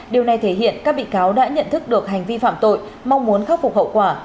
điều này thể hiện các bị cáo đã nhận thức được hành vi phạm tội mong muốn khắc phục hậu quả